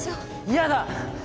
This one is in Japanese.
嫌だ！